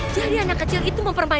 jadi anak kecil itu memperbaiki